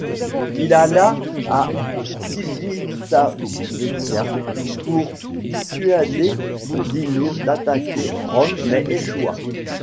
Il alla à Civitavecchia pour dissuader Oudinot d'attaquer Rome mais échoua.